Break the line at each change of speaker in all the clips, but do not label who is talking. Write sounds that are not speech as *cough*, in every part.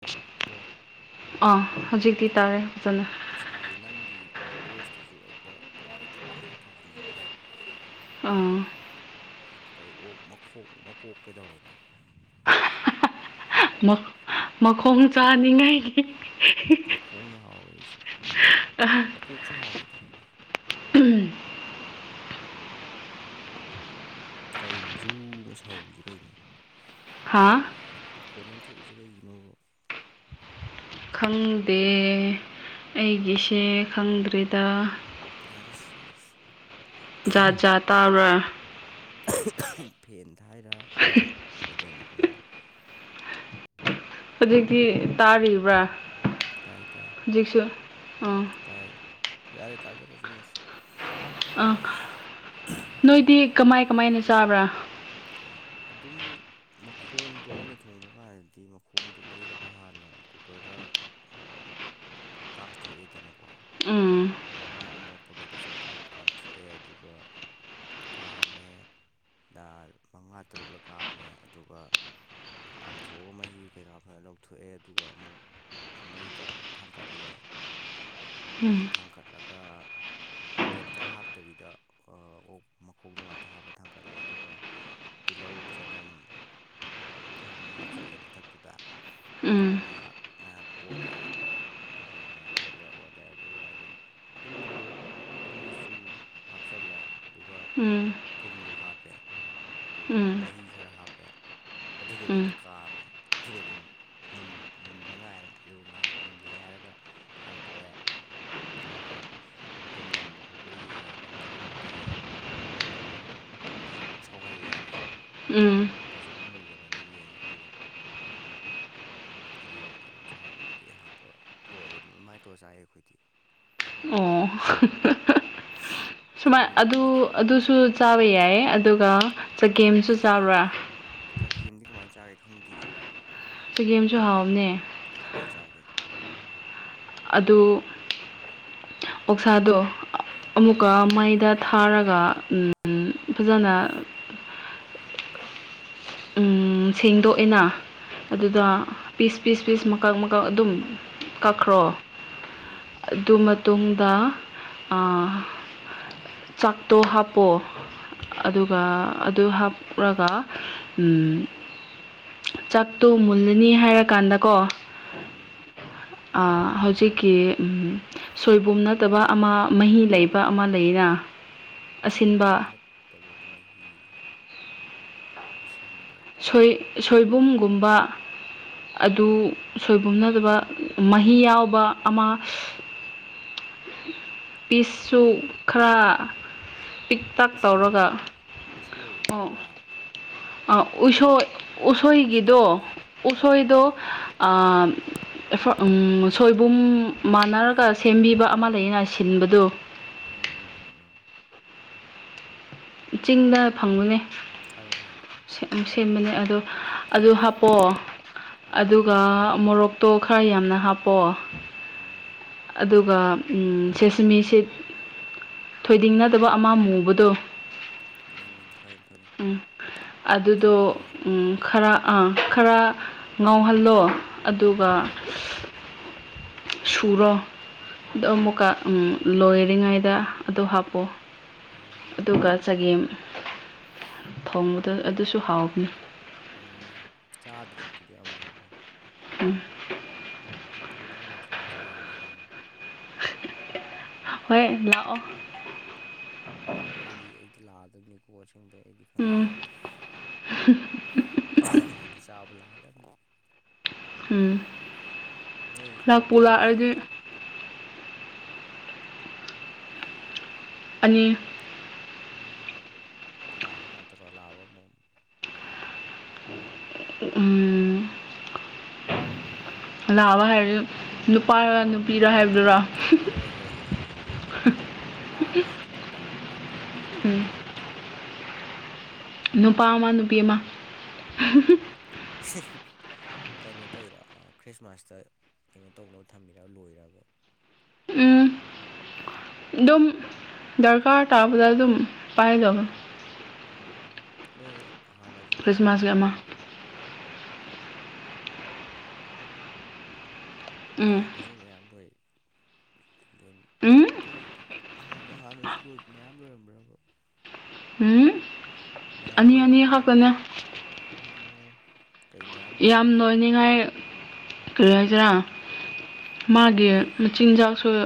ꯑꯣ ꯑꯣ
ꯑꯥ ꯍꯧꯖꯤꯛꯇꯤ ꯇꯥꯔꯦ ꯐꯖꯅ
ꯍꯥꯏ ꯅꯪꯒꯤ ꯚꯣꯏꯁꯇꯨꯁꯨ ꯍꯦꯛꯇ ꯅꯨꯡꯉꯥꯏꯇꯕꯅꯤ ꯑꯗꯨꯒꯤꯅꯤꯅꯦ
ꯎꯨꯝ
ꯀꯩ ꯑꯣꯛ ꯃꯈꯣꯛ ꯃꯀꯣꯛ ꯀꯩꯗꯧꯔꯕ
ꯍ ꯃꯥ ꯃꯥꯈꯣꯡ ꯆꯥꯅꯤꯡꯉꯦ
ꯃꯈꯣꯡꯅ ꯍꯥꯎꯋꯦ ꯑꯩꯁꯨ ꯃꯀꯣꯛꯁꯨ ꯍꯥꯎꯋꯤꯗ ꯀꯩꯅꯣ ꯖꯨ ꯑꯅ ꯁꯧꯔꯤꯁꯤ ꯀꯩꯅꯣ
ꯍꯥꯥ
ꯃꯈꯣꯟ ꯑꯃ ꯊꯣꯛꯏꯁꯦ ꯀꯩꯒꯤꯅꯣꯕ
ꯈꯪꯗꯦ ꯑꯩꯒꯤꯁꯦ ꯈꯪꯗ꯭ꯔꯤꯗ
ꯌꯥꯔ ꯁꯤ ꯌꯥꯔ
ꯖꯥꯠ ꯖꯥꯠ ꯇꯥꯕꯔꯥ
ꯐꯦꯟ ꯊꯥꯏꯔ ꯀꯩꯗꯩꯅꯣ ꯈꯪꯗꯦ
ꯍꯧꯖꯤꯛꯇꯤ ꯇꯥꯔꯤꯕ꯭ꯔꯥ
ꯇꯥꯏ ꯇꯥꯏ
ꯍꯧꯖꯤꯛꯁꯨ ꯑꯥ
ꯇꯥꯏ ꯌꯥꯔꯦ ꯇꯥꯖꯔ ꯆꯅꯁꯤ
ꯑꯥ ꯅꯣꯏꯗꯤ ꯀꯃꯥꯏ ꯀꯃꯥꯏꯅ ꯆꯥꯕ꯭ꯔꯥ
ꯑꯗꯨꯝ ꯃꯈꯣꯡꯗꯣ ꯑꯩꯅ ꯊꯣꯡꯕ ꯀꯥꯟꯗꯗꯤ ꯃꯈꯣꯡꯗꯣ ꯂꯩꯔꯒ ꯍꯥꯟꯅ ꯀꯨꯀꯔꯗ ꯀꯥꯝꯊꯣꯛꯑꯦꯗꯅꯀꯣ
ꯎꯝ
ꯃꯥꯏ ꯑꯃꯣꯠꯄꯈꯩꯗꯣ ꯆꯠꯈꯤꯅꯕ ꯀꯥꯝꯊꯣꯛꯑꯦ ꯑꯗꯨꯒ ꯀꯥꯝꯃꯦ ꯃꯉꯥ ꯇꯔꯨꯛꯂ ꯀꯥꯝꯃꯦ ꯑꯗꯨꯒ ꯀꯥꯝꯊꯣꯛꯑꯒ ꯃꯍꯤ ꯀꯩꯅꯀꯥ ꯐꯖꯅ ꯂꯧꯊꯣꯛꯑꯦ ꯑꯗꯨꯒ ꯑꯃꯨꯛ ꯃꯩꯗ ꯊꯥꯡꯒꯠꯂꯦ
ꯎꯝ
ꯊꯥꯡꯒꯠꯂꯒ ꯀꯩꯝꯇ ꯍꯥꯞꯇꯕꯤꯗ ꯑꯣꯛ ꯃꯈꯣꯡꯗꯣ ꯉꯥꯛꯇ ꯍꯥꯞꯄ ꯊꯥꯡꯒꯠꯂꯦ ꯑꯗꯨꯒ ꯇꯤꯜꯍꯧ ꯆꯅꯝ ꯑꯗꯨꯝ ꯍꯥꯞꯆꯤꯜꯂꯦ ꯃꯊꯛꯇꯨꯗ
ꯎꯝ
ꯑꯗꯨꯒ ꯉꯥꯏꯍꯥꯛ ꯉꯥꯏꯍꯥꯛ ꯑꯣꯠꯂꯦ ꯑꯗꯨꯒ ꯉꯥꯏꯍꯥꯛ ꯑꯣꯜꯂꯦ ꯑꯣꯠꯂꯦ ꯑꯗꯨꯒ ꯑꯗꯨꯝ ꯑꯗꯨꯝ ꯃꯣꯔꯣꯛ ꯑꯗꯨꯝ ꯃꯆꯨ ꯍꯥꯞꯆꯜꯂꯦ ꯑꯗꯨꯒ ꯊꯨꯝꯖꯨ ꯍꯥꯞꯄꯦ ꯑꯗꯨꯒ
ꯎꯝ
ꯃꯍꯤ ꯈꯔ ꯍꯥꯞꯄꯦ ꯑꯗꯨꯒ ꯑꯗꯨꯝ
ꯎꯝ
ꯀꯥꯝꯃꯦ ꯑꯗꯨꯒ ꯑꯗꯨꯝ ꯃꯨꯟ ꯃꯨꯟꯕ ꯉꯥꯏꯔꯦ ꯑꯗꯨꯒ ꯉꯥꯏꯍꯥꯛ ꯃꯨꯜꯂꯦ ꯍꯥꯏꯔꯒ ꯍꯥꯡꯇꯣꯛꯑꯦ ꯑꯗꯨꯒ ꯊꯨꯝ ꯅꯝꯕ ꯈꯣꯠꯄꯔꯥ ꯌꯦꯡꯉꯦ ꯅꯝꯗ꯭ꯔꯒꯅ ꯑꯃꯨꯛ ꯊꯥꯛꯑꯦ ꯑꯗꯨꯒ ꯉꯍꯥꯛ ꯁꯧꯍꯜꯂꯦꯗꯅ
ꯎꯝ
ꯐꯖꯅ ꯃꯨꯜꯂꯕꯅ ꯌꯦꯡꯉꯦ ꯑꯗꯨꯒ ꯑꯗꯨꯝ ꯐꯗꯤꯒꯨꯝꯕ ꯑꯗꯨꯝ ꯁꯥꯃꯔꯣꯏ ꯀꯩ ꯍꯥꯞꯄ ꯂꯣꯏꯔꯦ ꯑꯗꯨꯝ ꯑꯗꯨꯃꯥꯏꯅ ꯇꯧꯔ ꯆꯥꯏ ꯑꯩꯈꯣꯏꯗꯤ
ꯑꯣ ꯁꯨꯃꯥꯏ
ꯅꯣꯏꯅ
ꯑꯗꯨ
ꯀꯃꯥꯏꯅ
ꯑꯗꯨꯁꯨ ꯆꯥꯕ ꯌꯥꯏ ꯑꯗꯨꯒ ꯆꯒꯦꯝꯁꯨ ꯆꯥꯕ꯭ꯔꯥ
ꯆꯒꯦꯝꯗꯤ ꯀꯃꯥꯏꯟ ꯆꯥꯒꯦ ꯈꯪꯗꯤꯌꯦ
ꯆꯒꯦꯝꯁꯨ ꯍꯥꯎꯕꯅꯦ
ꯀꯃꯥꯏ ꯆꯥꯒꯦ
ꯑꯗꯨ ꯑꯣꯛꯁꯥꯗꯣ
ꯎꯝ
ꯑꯃꯨꯛꯀ ꯃꯩꯗ ꯊꯥꯔꯒ ꯎꯝ ꯐꯖꯅ
*unintelligible*
ꯎꯝ ꯁꯦꯡꯗꯣꯛꯑꯦꯅ
ꯎꯝ
ꯑꯗꯨꯗ ꯄꯤꯁ ꯄꯤꯁ ꯄꯤꯁ ꯃꯀꯛ ꯃꯀꯛ ꯑꯗꯨꯝ
ꯎꯝ
ꯀꯛꯈ꯭ꯔꯣ
ꯎꯝ
ꯑꯗꯨ ꯃꯇꯨꯡꯗ ꯑꯥ ꯆꯥꯛꯇꯣ ꯍꯥꯞꯄꯣ
ꯎꯝ
ꯑꯗꯨꯒ ꯑꯗꯨ ꯍꯥꯞꯔꯒ ꯎꯝ ꯆꯥꯛꯇꯣ ꯃꯨꯜꯂꯅꯤ ꯍꯥꯏꯔꯀꯥꯟꯗꯀꯣ
ꯎꯝ
ꯑ ꯍꯧꯖꯤꯛꯀꯤ ꯎꯝ ꯁꯣꯏꯕꯨꯝ ꯅꯠꯇꯕ ꯑꯃ ꯃꯍꯤ ꯂꯩꯕ ꯑꯃ ꯂꯩꯅ
ꯁꯣꯏꯕꯨꯝ
ꯑꯁꯤꯟꯕ
ꯅꯠꯇꯕ ꯃꯍꯤ ꯑꯁꯤꯟꯕ
ꯁꯣꯏ ꯁꯣꯏꯕꯨꯝꯒꯨꯝꯕ ꯑꯗꯨ ꯁꯣꯏꯕꯨꯝ ꯅꯠꯗꯕ ꯃꯍꯤ ꯌꯥꯎꯕ ꯑꯃ
ꯀꯩ
ꯄꯤꯁꯁꯨ ꯈꯔ ꯄꯤꯛ ꯇꯛ
ꯎꯁꯣꯏ
ꯇꯧꯔꯒ
ꯎꯁꯣꯏ
ꯑꯣ
ꯂꯥꯏꯋꯥ
ꯑ ꯎꯁꯣꯏ ꯎꯁꯣꯏꯒꯤꯗꯣ
ꯎꯁꯣꯏ ꯑꯥ
ꯎꯁꯣꯏꯗꯣ
ꯑꯥ ꯑꯥ
ꯑꯥ ꯎꯁꯣꯏ ꯎꯝ ꯁꯣꯏꯕꯨꯝ ꯃꯥꯟꯅꯔꯒ ꯁꯦꯝꯕꯤꯕ ꯑꯃ ꯂꯩꯌꯦꯅ ꯁꯤꯟꯕꯗꯨ
ꯎꯝ ꯎꯝ ꯎꯝ ꯎꯝ ꯎꯝ
ꯆꯤꯡꯗ ꯐꯪꯕꯅꯦ
ꯈꯪꯉꯦ ꯈꯪꯉꯦ ꯈꯪꯉꯦ
ꯁꯦꯝꯕꯅꯦ ꯑꯗꯣ ꯑꯗꯨ ꯍꯥꯞꯄꯣ
ꯎꯝ
ꯑꯗꯨꯒ ꯃꯣꯔꯣꯛ ꯇꯣ ꯈꯔ ꯌꯥꯝꯅ ꯍꯥꯞꯄꯣ
ꯎꯝ
ꯑꯗꯨꯒ ꯎꯝ ꯁꯦꯁꯃꯤꯁꯤꯠ ꯊꯣꯏꯗꯤꯡ ꯅꯠꯇꯕ ꯑꯃ ꯃꯨꯕꯗꯨ
ꯎꯝ ꯈꯪꯉꯦ ꯈꯪꯉꯦ
ꯎꯝ
ꯃꯨꯛꯊ꯭ꯔꯨꯕꯤ
ꯑꯗꯨꯗꯣ
ꯃꯔꯨ
ꯈꯔ ꯑ ꯈꯔ ꯉꯥꯎꯍꯜꯂꯣ ꯑꯗꯨꯒ
ꯑꯥ
ꯁꯨꯔꯣ ꯑꯗꯣ
ꯎꯝ
ꯑꯃꯨꯛꯀ ꯎꯝ ꯂꯣꯏꯔꯤꯉꯩꯗ ꯑꯗꯨ ꯍꯥꯞꯄꯣ
ꯎꯝ
ꯑꯗꯨꯒ ꯆꯒꯦꯝ ꯊꯣꯡꯕꯗꯣ ꯑꯗꯨꯁꯨ ꯍꯥꯎꯕꯅꯤ
ꯎꯝ ꯆꯥꯗ꯭ꯔꯤꯗꯨꯗꯤ ꯑꯝꯕꯥꯎꯕ
ꯎꯝ
ꯎꯝ ꯅꯪꯅ ꯊꯣꯡꯉ ꯆꯥꯔ ꯂꯣꯏꯔꯦ ꯀꯩ
ꯍꯣꯏ ꯂꯥꯛꯑꯣ
ꯍꯣꯏ ꯑꯩꯗꯤ ꯑꯩꯗꯤ ꯂꯥꯛꯑꯗꯝꯅꯤꯀꯣ ꯑꯁꯦꯡꯕꯩ ꯑꯩꯗꯤ ꯈꯪꯗꯦ
ꯎꯝ
*unintelligible* ꯑꯩꯗꯤ ꯆꯥꯕ ꯂꯥ *unintelligible*
ꯎꯝ
ꯅꯣꯏ ꯑꯣꯛ
ꯂꯥꯛꯄꯨ
ꯀꯌꯥ
ꯂꯥꯛꯑꯗꯤ
ꯂꯩꯒꯦ
ꯑꯅꯤ
ꯎꯝ ꯂꯥꯕ ꯉꯥꯛꯇꯔꯣ ꯂꯥꯕ ꯑꯃꯣꯝ
ꯎꯝ ꯂꯥꯕ ꯍꯥꯏꯔꯗꯤ ꯅꯨꯄꯥꯔ ꯅꯨꯄꯤꯔ ꯍꯥꯏꯕꯗꯨꯔꯣ
ꯍꯣꯏ ꯍꯣꯏ ꯍꯣꯏ ꯍꯣꯏ ꯍꯣꯏ ꯍꯣꯏ ꯂꯥꯕ ꯍꯥꯏꯗꯤ ꯅꯨꯄꯥ ꯑꯃꯣꯝ ꯍꯥꯏꯗꯤ
ꯎꯝ
ꯅꯨꯄꯤ
ꯅꯨꯄꯥ ꯑꯃ ꯅꯨꯄꯤ ꯑꯃ
ꯎꯝ ꯀꯩꯅꯣ ꯇꯧꯤꯔ ꯈ꯭ꯔꯤꯁꯃꯥꯁꯇ ꯀꯩꯅꯣ ꯇꯧꯅꯕ ꯊꯝꯕꯤꯔ ꯂꯣꯏꯔꯕ
ꯎꯝ ꯑꯗꯨꯝ ꯗꯔꯀꯥꯔ ꯇꯥꯕꯗ ꯑꯗꯨꯝ ꯄꯥꯏꯗꯕ
ꯎꯝ ꯅꯣꯏ ꯍꯥꯟꯅꯁꯨ ꯃꯌꯥꯝ
ꯈ꯭ꯔꯤꯁꯃꯥꯁꯀꯤ
ꯂꯣꯏꯔꯝꯕ꯭ꯔꯥ
ꯑꯃ ꯎꯝ
ꯍꯥꯟꯅꯁꯨ ꯃꯌꯥꯝ ꯂꯣꯢ ꯂꯣꯏ
ꯎꯝ
ꯑꯇꯩ ꯍꯥꯟꯅ ꯍꯥꯟꯅꯁꯨ ꯂꯣꯢ ꯃꯌꯥꯝ ꯂꯣꯏꯔꯝꯕ꯭ꯔꯕ
ꯎꯝ ꯑꯅꯤ ꯑꯅꯤ ꯍꯥꯀꯅꯦ
ꯑꯣ
ꯌꯥꯝ ꯂꯣꯏꯅꯤꯡꯉꯥꯏ ꯀꯔꯤ ꯍꯥꯏꯗꯔꯥ ꯃꯥꯒꯤ
ꯀꯩ
ꯃꯆꯤꯟꯖꯥꯛꯁꯨ
ꯎꯝ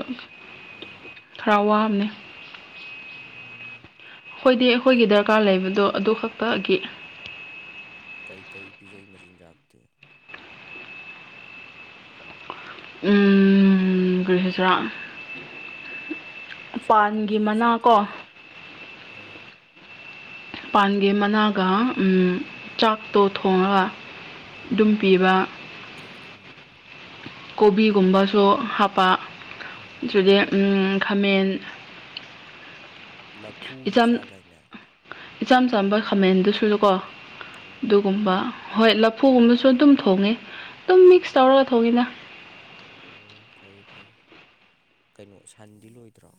ꯎꯝ
ꯈꯔ ꯋꯥꯕꯅꯦ
ꯎꯝ
ꯍꯣꯏꯗꯤ ꯑꯩꯈꯣꯏꯒꯤ ꯗꯔꯀꯥꯔ ꯂꯩꯕꯗꯣ ꯑꯗꯨ ꯈꯛꯇꯒꯤ
ꯀꯩ ꯀꯩ ꯄꯤꯖꯏ ꯃꯆꯤꯟ ꯖꯥꯛꯇꯤ
ꯎꯝ ꯀꯔꯤ ꯍꯥꯢꯁꯤꯔꯥ
ꯆꯥꯛꯀꯨꯝꯕꯁꯨ ꯆꯥꯗꯥꯢꯅꯦ ꯑꯥ
ꯄꯥꯟꯒꯤ ꯃꯅꯥꯒ ꯆꯥꯛꯇꯣ ꯊꯣꯡꯉꯒ
ꯑꯣ
ꯑꯗꯨꯝ ꯄꯤꯕ
ꯎꯝ
ꯀꯣꯕꯤꯒꯨꯝꯕꯁꯨ ꯍꯥꯞꯄ
ꯎꯝ
ꯑꯗꯨꯗꯩ ꯈꯥꯃꯦꯟ
ꯂꯐꯨꯁꯨ
ꯏꯆꯝ
ꯆꯥꯗꯥꯏꯅꯦ
ꯏꯆꯝ ꯆꯝꯕ ꯈꯥꯃꯦꯟꯗꯨ ꯁꯨꯀꯣ
ꯎꯝ
ꯑꯗꯨꯒꯨꯝꯕ ꯍꯣꯏ ꯂ ꯐꯨꯒꯨꯝꯕꯁꯨ ꯑꯗꯨꯝ ꯊꯣꯡꯉꯤ ꯑꯗꯨꯝ ꯃꯤꯛꯁ
ꯎꯝ
ꯇꯧꯔꯒ ꯊꯣꯡꯉꯤꯅ
ꯎꯝ ꯐꯩ ꯐꯩ ꯀꯩꯅꯣ ꯁꯟꯗꯤ ꯂꯣꯏꯗ꯭ꯔꯣ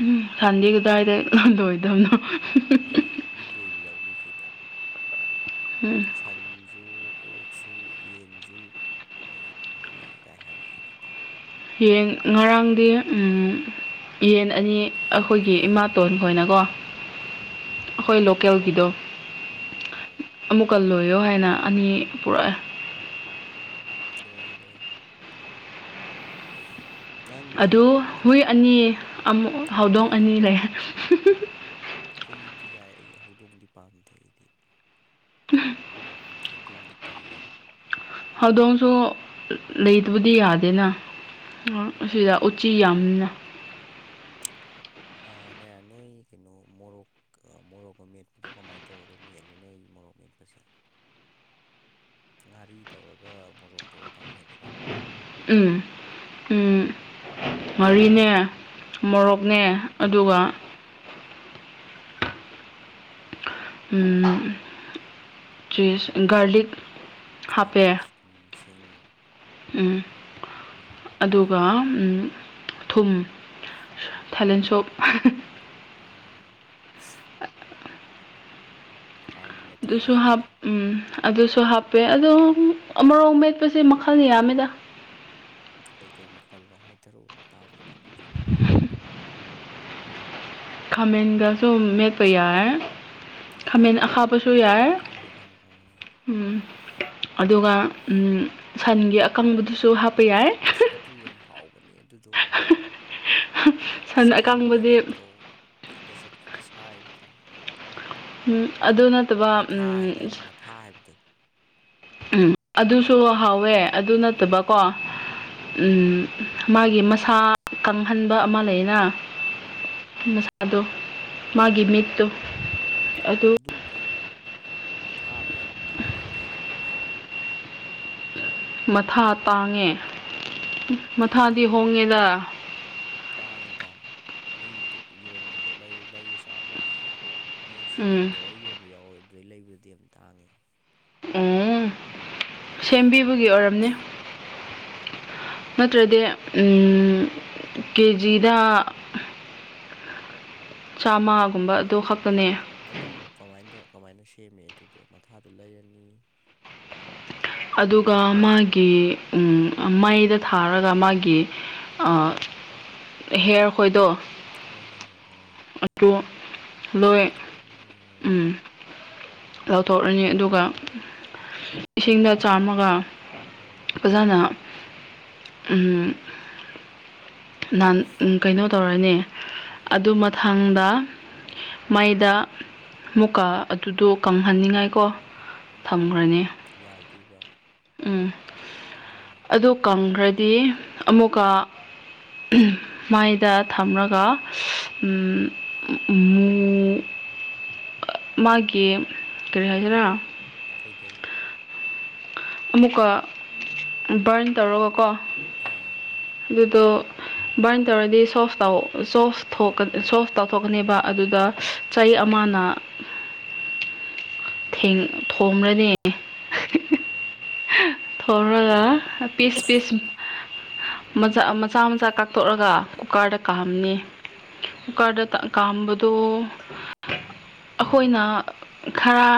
ꯎꯝ ꯁꯟꯗꯤ ꯀꯗꯥꯢꯗ ꯂꯣꯢꯗꯣꯢꯅꯣ
ꯃꯣꯢ ꯃꯤ ꯂꯣꯏꯕ ꯌꯥꯎꯅꯩ ꯀꯩꯅꯣ
ꯎꯝ
ꯁꯟꯁꯨ ꯑꯣꯛꯁꯨ ꯌꯦꯟꯁꯨ ꯃꯣꯏ ꯂꯣꯏ ꯀꯥꯏ ꯍꯥꯏꯔꯛꯏ ꯑꯩꯉꯣꯟꯗ
ꯌꯦꯡ ꯉꯔꯥꯡꯗꯤ ꯎꯝ ꯌꯦꯟ ꯑꯅꯤ ꯑꯩꯈꯣꯏꯒꯤ ꯏꯃꯥꯇꯣꯟ ꯈꯣꯏꯅꯀꯣ
ꯎꯝ
ꯑꯩꯈꯣꯏ ꯂꯣꯀꯦꯜꯒꯤꯗꯣ
ꯎꯝ ꯎꯝ ꯎꯝ
ꯑꯃꯨꯛꯀ ꯂꯣꯏꯌꯣ ꯍꯥꯏꯅ ꯑꯅꯤ ꯄꯨꯔꯛꯑꯦ
ꯎꯝ ꯂꯣꯏꯎ ꯂꯣꯏꯎ
ꯑꯗꯨ ꯍꯨꯏ ꯑꯅꯤ ꯑꯃꯨ ꯍꯧꯗꯣꯡ
ꯍꯨꯏ
ꯑꯅꯤ ꯂꯩ *unintelligible*
ꯎꯝ ꯍꯨꯏꯗꯤ ꯌꯥꯏ ꯑꯩ ꯍꯧꯗꯣꯡꯗꯤ ꯄꯥꯝꯗꯦ ꯑꯩꯗꯤ
*unintelligible*
ꯍꯧꯗꯣꯡꯗꯤ ꯇꯜꯂꯦꯕ
ꯍꯧꯗꯣꯡꯁꯨ ꯂꯩꯇꯕꯗꯤ ꯌꯥꯗꯦꯅ
ꯎꯝ
ꯑꯁꯤꯗ ꯎꯆꯤ ꯌꯥꯝꯕꯅꯤꯅ
ꯑꯥ ꯅꯦ ꯅꯣꯏ ꯀꯩꯅꯣ ꯃꯣꯔꯣꯛ ꯀ ꯃꯣꯔꯣꯛꯀ ꯃꯦꯠꯄꯗꯣ ꯀꯃꯥꯏꯅ ꯇꯧꯔꯒ ꯃꯦꯠꯂꯤ ꯅꯣꯏ ꯃꯣꯔꯣꯛ ꯃꯦꯠꯄꯁꯦ ꯉꯥꯔꯤ ꯇꯧꯔꯒ ꯃꯣꯔꯣꯛ ꯇꯧꯔ ꯇꯪ ꯃꯦꯠꯄ꯭ꯔꯥ
ꯎꯝ ꯎꯝ ꯉꯥꯔꯤꯅꯦ ꯃꯣꯔꯣꯛꯅꯦ
ꯎꯝ
ꯑꯗꯨꯒ
ꯎꯝ
ꯎ ꯆꯁ ꯒꯥꯔꯂꯤꯛ
ꯒꯥꯔꯂꯤꯛ
ꯍꯥꯞꯄꯦ
ꯁꯤꯡ
ꯎꯝ
ꯎꯝ
ꯑꯗꯨꯒ ꯊꯨꯝ
ꯎꯝ
ꯊꯥꯏꯂꯦꯟ ꯁꯣꯞ
ꯎꯝ
*inaudible*
ꯍꯥꯎꯅ ꯃꯦꯠꯊꯔꯦ
ꯑꯗꯨꯁꯨ ꯍꯥꯞ
ꯑꯗꯨꯒ
ꯎꯝ ꯑꯗꯨꯁꯨ ꯍꯥꯞꯄꯦ ꯑꯗꯣ ꯑꯃꯔꯣꯛ ꯃꯦꯠꯄꯁꯦ ꯃꯈꯜ ꯌꯥꯝꯃꯦꯗꯥ
ꯀꯩꯀꯩ ꯃꯈꯜꯅꯣ ꯍꯥꯏꯊꯔꯛꯎ ꯇꯥꯒꯦꯗꯅ ꯑꯗꯨꯗꯤ
ꯈꯥꯃꯦꯟꯒꯁꯨ ꯃꯦꯠꯄ ꯌꯥꯢ
ꯎꯝ ꯌꯥꯏ
ꯈꯥꯃꯦꯟ ꯑꯈꯥꯕꯁꯨ ꯌꯥꯏ
ꯈꯪꯉꯦ ꯈꯪꯉꯦ ꯑꯥ
ꯎꯝ ꯑꯗꯨꯒ ꯎꯝ ꯁꯟꯒꯤ ꯑꯀꯪꯕꯗꯨꯁꯨ ꯍꯥꯞꯄ ꯌꯥꯏ
ꯑꯗꯨ ꯌꯥꯝ ꯍꯥꯎꯕꯅꯦ ꯑꯗꯨꯗꯣ
*inaudible*
ꯏꯁꯀꯤꯟꯗꯣ
ꯑꯀꯪꯕꯗꯤ
ꯅꯠꯇ꯭ꯔꯣ ꯀꯨꯏꯅ ꯆꯠꯄꯗꯣ ꯁꯥꯏꯕꯗ
ꯑꯗꯨ ꯅꯠꯇꯕ ꯎꯝ
ꯊꯥꯢꯕꯗꯣ
ꯎꯝ ꯑꯗꯨꯁꯨ ꯍꯥꯎꯋꯦ ꯑꯗꯨ ꯅꯠꯇꯕ
ꯎꯝ
ꯀꯣ ꯎꯝ ꯃꯥꯒꯤ ꯃꯁꯥ ꯀꯪꯍꯟꯕ ꯑꯃ ꯂꯩꯌꯦꯅ
ꯎꯝ
ꯃꯁꯥꯗꯣ ꯃꯥꯒꯤ ꯃꯤꯠꯇꯣ
ꯑꯗꯨ ꯀꯩꯅꯣ ꯃꯊꯥꯗꯣ ꯌꯥꯝ ꯇꯥꯡꯉꯤ ꯀꯩꯒꯤꯅꯣꯗꯣ
ꯃꯊꯥ ꯇꯥꯡꯉꯦ
ꯎꯝ ꯇꯥꯡꯉꯦ
ꯃꯊꯥꯗꯤ
ꯌꯥꯝ
ꯍꯣꯡꯉꯦꯗ
ꯇꯥꯡꯉꯤꯗ ꯃꯤꯗꯨꯝ ꯌꯣꯟꯕꯗꯣ ꯂꯩꯔ ꯂꯩꯔ ꯆꯥꯕ ꯃꯣꯏ ꯁꯤꯡꯖꯨ
ꯎꯝ
ꯇꯧꯔꯒ ꯌꯣꯟꯕ ꯌꯥꯎꯋꯦ ꯑꯗꯨꯗꯩ ꯂꯩꯕꯗꯨꯗꯤ ꯌꯥꯝ ꯇꯥꯡꯉꯦ
ꯎꯝ ꯁꯦꯝꯕꯤꯕꯒꯤ ꯑꯣꯏꯔꯝꯅꯤ ꯅꯠꯇ꯭ꯔꯗꯤ ꯀꯦꯖꯤꯗ ꯆꯥꯝꯃꯒꯨꯝꯕ ꯑꯗꯨ ꯈꯛꯇꯅꯦ
ꯑꯗꯨ ꯀꯃꯥꯅ ꯇꯧ ꯀꯃꯥꯏꯅ ꯁꯦꯝꯃꯦ ꯑꯗꯨꯗꯤ ꯃꯊꯥꯗꯨ ꯂꯩꯔꯅꯤ
ꯑꯗꯨꯒ ꯃꯥꯒꯤ ꯎꯝ ꯃꯩꯗ ꯊꯥꯔꯒ ꯃꯥꯒꯤ ꯑ ꯍꯦꯌꯔ ꯈꯣꯏꯗꯣ
ꯑꯣ ꯍꯣ ꯍꯣꯏ ꯑ *unintelligible* *inaudible*
ꯑꯗꯨ ꯂꯣꯏ ꯎꯝ ꯂꯧꯊꯣꯛꯑꯅꯤ ꯑꯗꯨꯒ ꯏꯁꯤꯡꯗ ꯆꯥꯝꯃꯒ
ꯎꯝ *unintelligible* *inaudible*
ꯑꯣꯖꯥꯅ ꯅꯍꯥꯟ ꯀꯩꯅꯣ ꯇꯧꯔꯅꯤ
ꯎꯝ
ꯑꯗꯨ ꯃꯊꯥꯡꯗ ꯃꯩꯗ ꯃꯨꯀꯥ ꯑꯗꯨꯗꯣ ꯀꯪꯍꯟꯅꯤꯡꯉꯥꯏꯀꯣ
ꯎꯝ ꯎꯝ
ꯊꯝꯈ꯭ꯔꯅꯤ
ꯌꯥꯏꯗꯣꯏꯕ
ꯎꯝ
ꯎꯝ
ꯑꯗꯨ ꯀꯪꯈ꯭ꯔꯗꯤ ꯑꯃꯨꯛꯀ ꯃꯥꯏꯗ ꯊꯝꯂꯒꯨ ꯃꯥꯒꯤ ꯀꯔꯤ ꯍꯥꯏꯁꯤꯔꯥ
ꯀꯩꯗꯧ
ꯑꯃꯨꯛꯀ ꯕꯔꯟ ꯇꯧꯔꯒꯀꯣ
ꯎꯝ *unintelligible* *inaudible*
ꯑꯗꯨꯗꯣ ꯕꯥꯔꯟ ꯇꯧꯔꯗꯤ ꯁꯣꯐ ꯇ ꯁꯣꯐ ꯊꯣꯛꯀ
ꯇꯧꯔꯅꯤ
ꯁꯣꯜꯐ ꯇꯧꯊꯣꯛꯀꯅꯦꯕ ꯑꯗꯨꯗ
ꯎꯝ
ꯆꯍꯤ
ꯎꯝ
ꯑꯃꯅ ꯊꯣ꯭ꯔꯅꯦ *unintelligible* *inaudible*
ꯎꯝ *unintelligible* *inaudible*
ꯊꯧꯒ ꯄꯤꯁ ꯄꯤꯁ *inaudible* ꯆꯥ ꯃꯆꯥ ꯃꯆꯥ ꯀꯥꯛꯊꯣꯛꯑꯒ ꯀꯨꯀꯥꯔꯗ
ꯎꯝ
ꯀꯥꯝꯅꯤ
ꯎꯝ
ꯀꯨꯀꯥꯔꯗ
ꯎꯝ
ꯀꯥꯝꯕꯗꯣ ꯑꯩꯈꯣꯏꯅ ꯈꯔ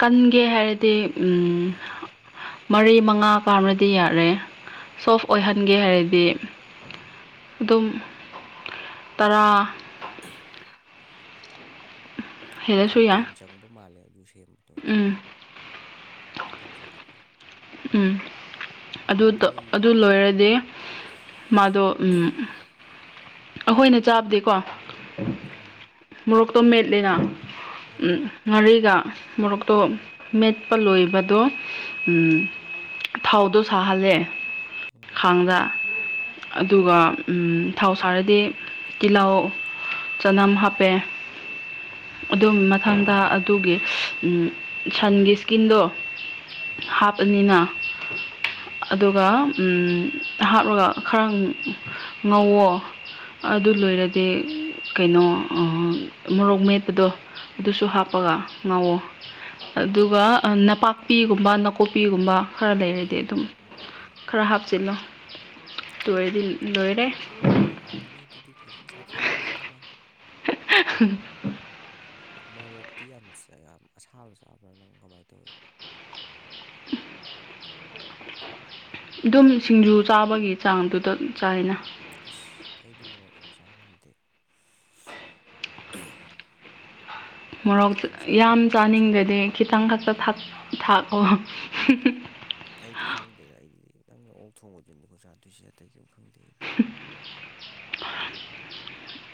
ꯀꯟꯒꯦ ꯍꯥꯏꯔꯗꯤ
ꯎꯝ
ꯃꯔꯤ ꯃꯉꯥ ꯀꯥꯝꯅꯗꯤ ꯌꯥꯔꯦ ꯁꯣꯐ
ꯎꯝ
ꯑꯣꯏꯍꯟꯒꯦ ꯍꯥꯏꯔꯗꯤ ꯑꯗꯨꯝ ꯇꯔꯥ
*unintelligible* *inaudible* ꯌꯥꯝ
ꯍꯦꯜꯂꯁꯨ ꯌꯥꯏ
ꯀꯨꯏꯅ ꯆꯪꯕ ꯃꯥꯜꯂꯦ ꯑꯗꯨ ꯁꯦꯝꯕꯗꯣ
ꯎꯝ
ꯑꯗꯨꯗꯤ ꯃꯇꯝ ꯆꯪꯉꯦꯀꯣ
ꯎꯝ
ꯎꯝ
ꯑꯗꯨ
ꯅꯣꯏ
ꯑꯗꯨ ꯂꯣꯏꯔꯗꯤ ꯃꯥꯗꯣ ꯎꯝ ꯑꯩꯈꯣꯏꯅ ꯆꯥꯕꯗꯤꯀꯣ
ꯎꯝ *unintelligible* *inaudible*
ꯃꯣꯔꯣꯛꯇꯣ ꯃꯦꯠꯂꯤꯅ ꯎꯝ ꯉꯥꯔꯤꯒ ꯃꯣꯔꯣꯛꯇꯣ ꯃꯦꯠꯄ ꯂꯣꯏꯕꯗꯣ ꯊꯥꯎꯗꯣ ꯁꯥꯍꯜꯂꯦ ꯈꯥꯡꯗ ꯑꯗꯨꯒ ꯊꯥꯎ ꯁꯥꯔꯗꯤ ꯇꯤꯜꯍꯥꯎ ꯆꯅꯥꯝ ꯍꯥꯞꯄꯦ ꯑꯗꯨ ꯃꯊꯪꯗ ꯑꯗꯨꯒꯤ ꯁꯟꯒꯤ ꯏꯁꯀꯤꯟꯗꯣ
ꯎꯝ
ꯍꯥꯞꯄꯅꯤꯅ
ꯎꯝ
ꯑꯗꯨꯒ ꯍꯥꯞꯂꯒ ꯈꯔ ꯉꯧꯋꯣ ꯑꯗꯨ ꯂꯣꯏꯔꯗꯤ ꯀꯩꯅꯣ ꯃꯣꯔꯣꯛ ꯃꯦꯠꯄꯗꯣ ꯑꯗꯨꯁꯨ ꯍꯥꯞꯄꯒ ꯉꯥꯎꯋꯣ ꯑꯗꯨꯒ
ꯅꯣꯏ
ꯅꯄꯥꯛꯄꯤꯒꯨꯝꯕ ꯅꯥꯀꯣꯛꯄꯤꯒꯨꯝꯕ ꯈꯔ ꯂꯩꯔꯗꯤ
ꯎꯝ ꯎꯝ
ꯑꯗꯨꯝ
ꯎꯝ ꯎꯝ ꯎꯝ ꯎꯝ
ꯈꯔ ꯍꯥꯞꯆꯤꯜꯂꯣ ꯇꯔꯗꯤ ꯂꯣꯏꯔꯦ
ꯅꯣꯏ ꯍꯥꯎꯔꯅꯤ ꯑꯗꯨꯗꯤ ꯐꯖꯅ ꯆꯥꯊꯔꯛꯑꯅꯤ ꯑꯗꯨꯒ
ꯎꯝ *unintelligible* *inaudible*
ꯃꯣꯔꯣꯛꯇꯤ ꯌꯥꯝ ꯌꯥꯝ ꯑꯁꯥꯕ ꯆꯥꯕ꯭ꯔꯥ ꯅꯪ ꯀꯃꯥꯏꯅ ꯇꯧꯋꯤ
ꯑꯗꯨꯝ ꯁꯤꯡꯖꯨ ꯆꯥꯕꯒꯤ ꯆꯥꯡꯗꯨꯗ ꯆꯥꯏꯅ
ꯑꯁ ꯑꯩꯗꯤ ꯃꯣꯔꯣꯛ ꯑꯣꯏꯅ ꯆꯥꯕ ꯉꯝꯗꯦ *unintelligible* *inaudible*
ꯃꯣꯔꯣꯛ
ꯈꯤꯇꯪ
ꯌꯥꯝ
ꯆꯥꯕꯒ ꯄꯨꯛ
ꯆꯥꯅꯤꯡꯗꯗꯤ
ꯁꯧꯒꯠꯂꯦ
ꯈꯤꯇꯪ ꯈꯛꯇ ꯊꯥꯛꯑꯣ
ꯑꯩꯗꯤ ꯈꯪꯗꯦꯗ ꯑꯩꯗꯤ ꯅꯪꯅ ꯑꯣꯛ ꯊꯣꯡꯕꯗꯣꯏꯅꯤꯀꯣ ꯆꯥꯗꯣꯏꯁꯦ ꯑꯇꯩ ꯀꯩꯝ ꯈꯪꯗꯦ ꯑꯩꯗꯤ
*unintelligible* *inaudible*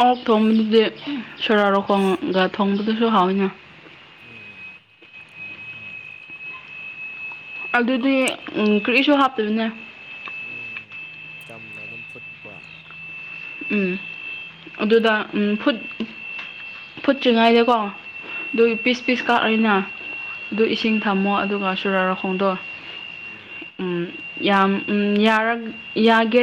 ꯑꯣꯛ ꯊꯣꯡꯕꯗꯨꯗꯤ ꯁꯣꯔꯥꯔꯣꯛꯈꯣꯡꯒ ꯊꯣꯡꯕꯗꯨꯁꯨ ꯍꯥꯎꯋꯤꯅ
ꯎꯝ ꯍꯥꯎꯋꯦ ꯍꯥꯎꯋꯦ
ꯑꯗꯨꯗꯤ ꯀꯔꯤꯁꯨ ꯍꯥꯞꯇꯕꯅꯦ
ꯎꯝ ꯆꯝꯅ ꯑꯗꯨꯝ ꯐꯨꯠꯄ
ꯎꯝ ꯑꯗꯨꯗ ꯎꯝ ꯐꯨꯠ ꯐꯨꯠ꯭ꯔꯤꯉꯩꯗꯀꯣ ꯑꯗꯨ
ꯎꯝ
ꯄꯤꯁ ꯄꯤꯁ ꯀꯥꯣꯏꯅ ꯑꯗꯨ
ꯎꯝ
ꯏꯁꯤꯡ ꯊꯝꯃꯣ ꯑꯗꯨꯒ ꯁꯨꯔꯔ ꯈꯣꯡꯗꯣꯛ
ꯎꯝ
ꯎꯝ ꯌꯥꯝ ꯌꯥꯒꯦ